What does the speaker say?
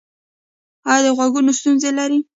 ایا د غوږونو ستونزه لرئ؟